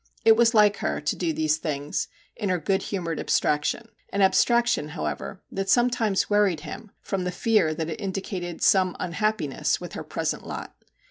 It was Mike her' to do these things in her good humoured bstraction an abstraction, however, that sometimes worried him from the fear that it indicated some unhappiness with her present lot.